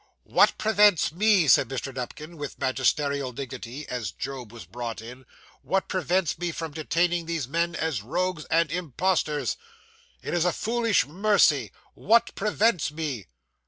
'What prevents me,' said Mr. Nupkins, with magisterial dignity, as Job was brought in 'what prevents me from detaining these men as rogues and impostors? It is a foolish mercy. What prevents me?